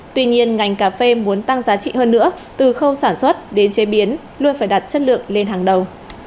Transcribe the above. tuy nhiên ngành cà phê muốn tăng giá trị hơn nữa từ khâu sản xuất đến chế biến luôn phải đặt chất lượng lên hàng đầu